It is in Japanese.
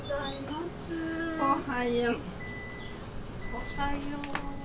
おはよう。